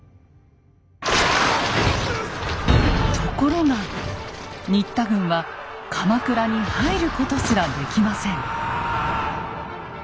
ところが新田軍は鎌倉に入ることすらできません。